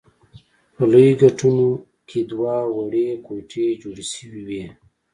په لویو ګټونو کې دوه وړې کوټې جوړې شوې وې.